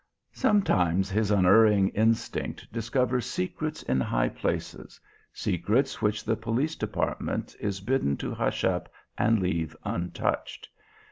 Sometimes his unerring instinct discovers secrets in high places, secrets which the Police Department is bidden to hush up and leave untouched.